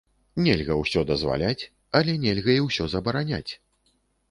Нельга ўсё дазваляць, але нельга і ўсё забараняць.